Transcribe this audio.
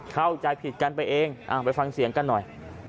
เข้าใจผิดกันไปเองไปฟังเสียงกันหน่อย